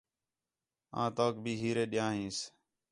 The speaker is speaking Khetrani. آں تَُوک بھی ہیرے ݙِیاں ہینس